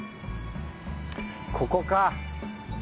ここか。